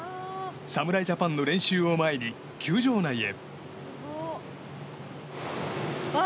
侍ジャパンの練習を前に球場内へ。